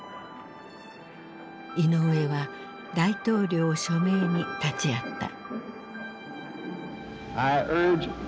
イノウエは大統領署名に立ち会った。